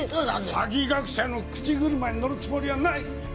詐欺学者の口車に乗るつもりはない！